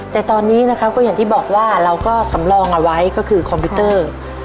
แต่ตอนนี้นะครับก็อย่างที่บอกว่าเราก็สำรองเอาไว้ก็คือคอมพิวเตอร์